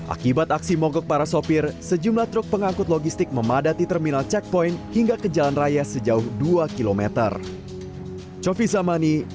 akibat aksi mogok para sopir sejumlah truk pengangkut logistik memadati terminal checkpoint hingga ke jalan raya sejauh dua kilometer